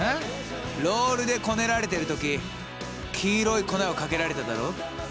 ロールでこねられてる時黄色い粉をかけられただろ？